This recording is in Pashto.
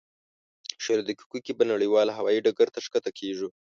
شلو دقیقو کې به نړیوال هوایي ډګر ته ښکته کېږو.